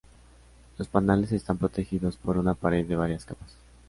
Los panales están protegidos por una pared de varias capas.